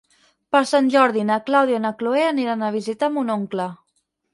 Per Sant Jordi na Clàudia i na Cloè aniran a visitar mon oncle.